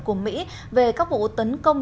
của mỹ về các vụ tấn công